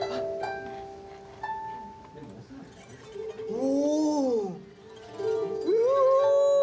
お。